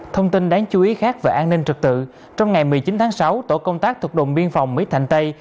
thông tin đáng chú ý khác về an ninh trật tự trong ngày một mươi chín tháng sáu tổ công tác thuộc đồn biên phòng mỹ thành tây